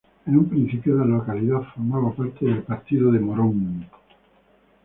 En un principio, la localidad formaba parte del partido de Morón.